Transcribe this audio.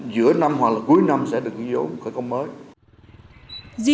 giữa năm hoặc là cuối năm sẽ được ghi dốn cái công mới